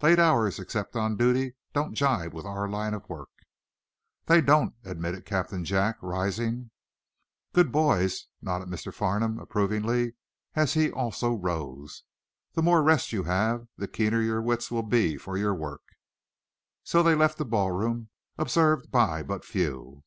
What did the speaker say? Late hours, except on duty, don't jibe with our line of work." "They don't," admitted Captain Jack, rising. "Good, boys!" nodded Mr. Farnum, approvingly, as he also rose. "The more rest you have the keener your wits will be for your work." So they left the ballroom, observed by but few.